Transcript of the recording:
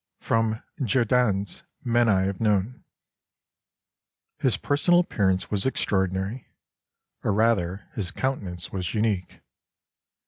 '" [Sidenote: Jerdan's Men I have known.] "His personal appearance was extraordinary, or rather his countenance was unique.